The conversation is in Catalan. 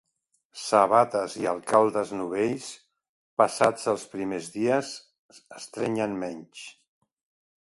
Sabates i alcaldes novells, passats els primers dies estrenyen menys.